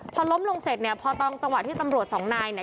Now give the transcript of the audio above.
พอล้มลงเสร็จเนี่ยพอตอนจังหวะที่ตำรวจสองนายเนี่ย